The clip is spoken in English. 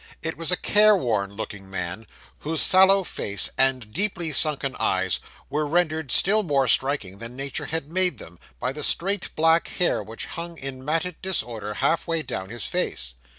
It was a careworn looking man, whose sallow face, and deeply sunken eyes, were rendered still more striking than Nature had made them, by the straight black hair which hung in matted disorder half way down his face.